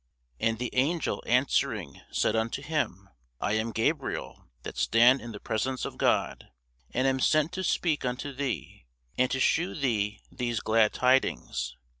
And the angel answering said unto him, I am Gabriel, that stand in the presence of God; and am sent to speak unto thee, and to shew thee these glad tidings.